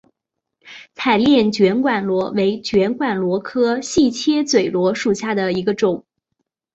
彩炼卷管螺为卷管螺科细切嘴螺属下的一个种。